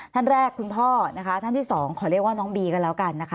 ท่านแรกคุณพ่อนะคะท่านที่สองขอเรียกว่าน้องบีก็แล้วกันนะคะ